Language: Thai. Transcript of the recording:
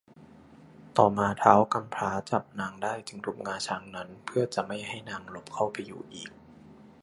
ต่อมาท้าวกำพร้าจับนางได้จึงทุบงาช้างนั้น เพื่อจะไม่ให้นางหลบเข้าไปอยู่อีก